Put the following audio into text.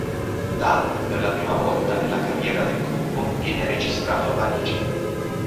L'album, per la prima volta nella carriera del gruppo, viene registrato a Parigi.